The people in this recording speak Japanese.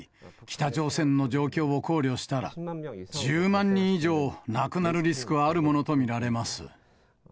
北朝鮮の状況を考慮したら、１０万人以上亡くなるリスクはあるものと見られます。